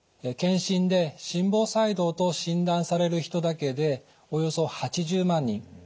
検診で心房細動と診断される人だけでおよそ８０万人。